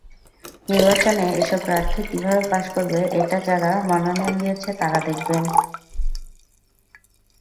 নির্বাচনে এসব প্রার্থী কীভাবে পাস করবে, এটা যাঁরা মনোনয়ন দিয়েছেন তাঁরা দেখবেন।